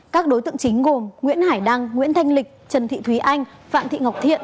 các đối tượng chính gồm nguyễn hải đăng nguyễn thanh lịch trần thị thúy anh phạm thị ngọc thiện